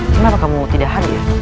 kenapa kamu tidak hari ya